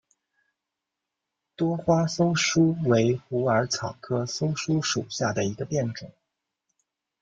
多花溲疏为虎耳草科溲疏属下的一个变种。